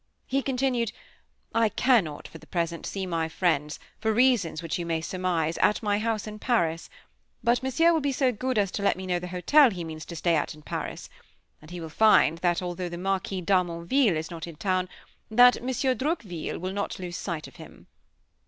He continued: "I cannot, for the present, see my friends, for reasons which you may surmise, at my house in Paris. But Monsieur will be so good as to let me know the hotel he means to stay at in Paris; and he will find that although the Marquis d'Harmonville is not in town, that Monsieur Droqville will not lose sight of him."